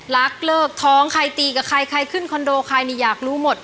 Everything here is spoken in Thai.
เลิกท้องใครตีกับใครใครขึ้นคอนโดใครนี่อยากรู้หมด